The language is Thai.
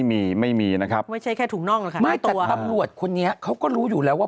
ไม่แต่ตำรวจคนนี้เขาก็รู้อยู่แล้วว่า